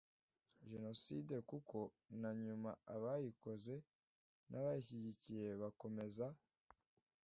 jenoside kuko na nyuma abayikoze n abayishyigikiye bakomeza